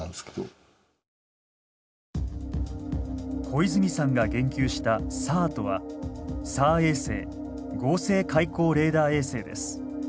小泉さんが言及したＳＡＲとはＳＡＲ衛星合成開口レーダー衛星です。